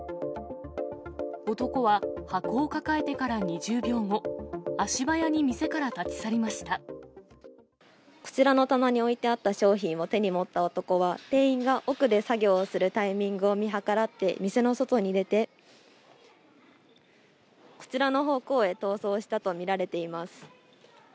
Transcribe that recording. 男は箱を抱えてから２０秒後、こちらの棚に置いてあった商品を手に持った男は、店員が奥で作業をするタイミングを見計らって店の外に出て、こちらの方向へ逃走したと見られています。